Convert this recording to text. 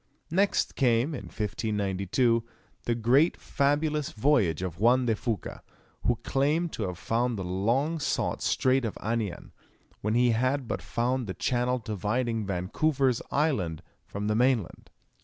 Next came, in 1592, the greatly fabulous voyage of Juan de Fuca, who claimed to have found the long sought Strait of Anian, when he had but found the channel dividing Vancouver's Island from the mainland.